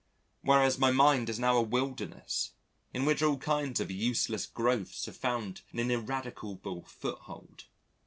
Whereas, my mind is now a wilderness in which all kinds of useless growths have found an ineradicable foothold.